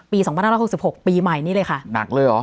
ปีสองพันหน้าร้อยหกสิบหกปีใหม่นี่เลยค่ะหนักเลยเหรอ